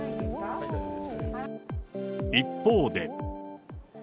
一方で。